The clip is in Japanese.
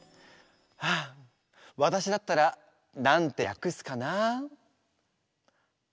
はあわたしだったら何てやくすかな？